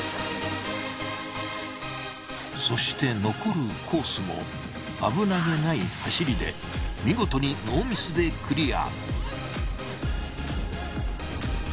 そして残るコースも危なげない走りで見事にでクリア。